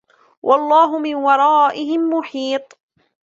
وَاللَّهُ مِنْ وَرَائِهِمْ مُحِيطٌ